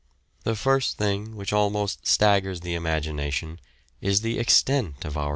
The first thing which almost staggers the imagination is the extent of our Indian Empire.